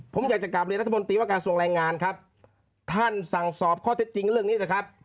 ผมอยากจะกลับเรียนรัฐมนตรีว่าการทรงแรงงานครับท่านสั่งสอบข้อเท็จจริงเรื่องนี้เถอะครับ